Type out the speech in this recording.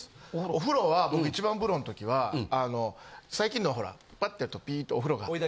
お風呂は僕一番風呂の時は最近のはほらパッてやるとピーッてお風呂が。